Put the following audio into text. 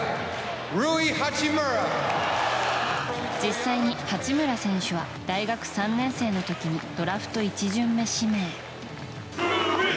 実際に八村選手は大学３年生の時にドラフト１巡目指名。